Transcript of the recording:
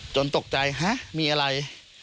ตกใจฮะมีอะไร